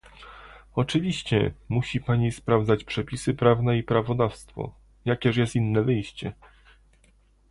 Oczywiście, musi pani sprawdzać przepisy prawne i prawodawstwo - jakież jest inne wyjście?